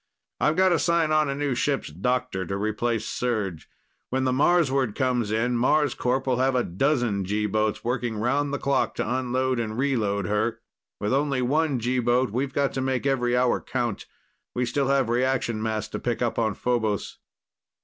"I've got to sign on a new ship's doctor to replace Serj. When the Marsward comes in, Marscorp will have a dozen G boats working round the clock to unload and reload her. With only one G boat, we've got to make every hour count. We still have reaction mass to pick up on Phobos."